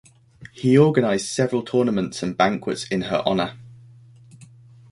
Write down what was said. He organized several tournaments and banquets in her honor.